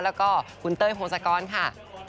แล้วก็คุณเต้ยพงศกรค่ะ